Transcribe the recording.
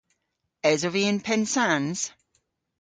Esov vy yn Pennsans?